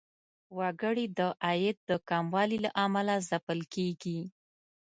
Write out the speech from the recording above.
وګړي د عاید د کموالي له امله ځپل کیږي.